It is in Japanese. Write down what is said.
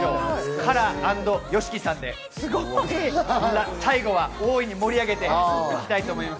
ＫＡＲＡ＆ＹＯＳＨＩＫＩさんで、最後は大いに盛り上げていきたいと思います。